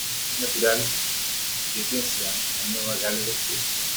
Es natural de Queensland a Nueva Gales del Sur.